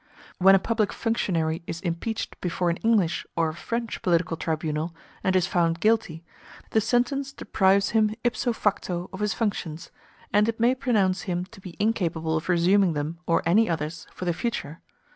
When a public functionary is impeached before an English or a French political tribunal, and is found guilty, the sentence deprives him ipso facto of his functions, and it may pronounce him to be incapable of resuming them or any others for the future.